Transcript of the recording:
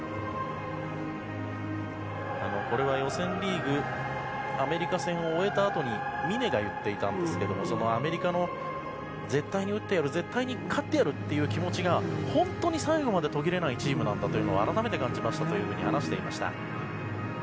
これは、予選リーグアメリカ戦を終えたあとに峰が言っていたんですがアメリカの絶対に打ってやる絶対に勝ってやるという気持ちが本当に最後まで途切れないチームなんだと改めて感じましたと話していました。